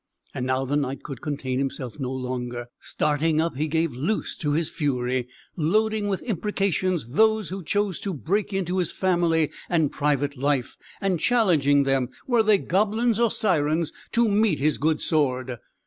And now the Knight could contain himself no longer. Starting up, he gave loose to his fury, loading with imprecations those who chose to break into his family and private life, and challenging them were they goblins or sirens to meet his good sword.